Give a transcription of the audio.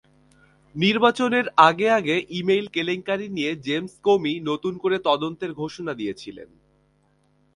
নির্বাচনের আগে আগে ই-মেইল কেলেঙ্কারি নিয়ে জেমস কোমি নতুন করে তদন্তের ঘোষণা দিয়েছিলেন।